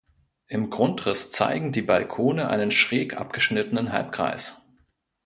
Im Grundriss zeigen die Balkone einen schräg abgeschnittenen Halbkreis.